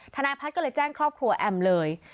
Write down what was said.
ทนายพัฒน์ก็เลยแจ้งครอบครัวแอมเลย